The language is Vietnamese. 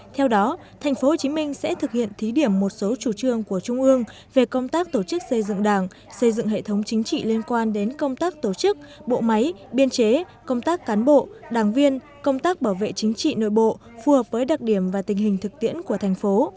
theo đó tp hcm sẽ thực hiện thí điểm một số chủ trương của trung ương về công tác tổ chức xây dựng đảng xây dựng hệ thống chính trị liên quan đến công tác tổ chức bộ máy biên chế công tác cán bộ đảng viên công tác bảo vệ chính trị nội bộ phù hợp với đặc điểm và tình hình thực tiễn của thành phố